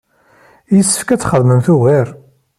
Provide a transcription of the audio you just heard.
Yessefk ad txedmemt ugar.